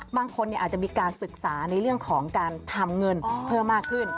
บางคนอาจจะมีการศึกษาในเรื่องของการทำเงินเพิ่มมากขึ้น